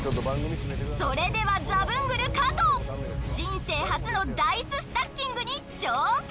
それではザブングル加藤人生初のダイススタッキングに挑戦！